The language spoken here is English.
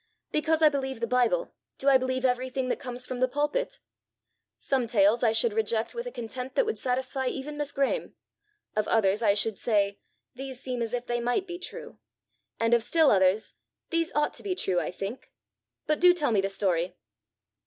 Because I believe the Bible, do I believe everything that comes from the pulpit? Some tales I should reject with a contempt that would satisfy even Miss Graeme; of others I should say 'These seem as if they might be true;' and of still others, 'These ought to be true, I think.' But do tell me the story."